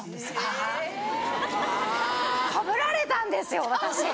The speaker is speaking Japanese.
あぁ。はぶられたんですよ私。